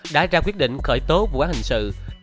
đã ra quyết định khởi tố vụ án hình sự